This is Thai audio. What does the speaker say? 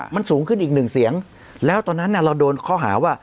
มันสูงขึ้นอีกหนึ่งเสียงแล้วตอนนั้นเราโดนข้อหาว่า